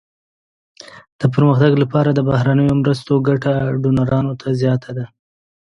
د پرمختګ لپاره د بهرنیو مرستو ګټه ډونرانو ته زیاته ده.